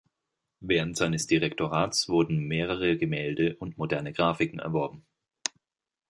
Während seines Direktorats wurden mehrere Gemälde und moderne Grafiken erworben.